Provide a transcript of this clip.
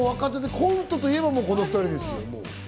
コントといえばこの２人ですよ。